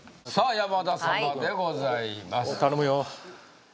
山田様でございます頼むよ